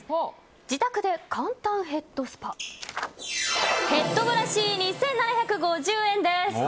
自宅で簡単ヘッドスパヘッドブラシ、２７５０円です。